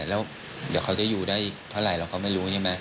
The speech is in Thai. แล้วเดี๋ยวเขาจะอยู่ได้เท่าไหร่เราก็ไม่รู้ใช่ไหม